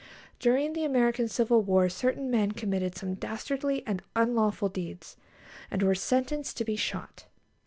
During the American Civil War certain men committed some dastardly and unlawful deeds, and were sentenced to be shot.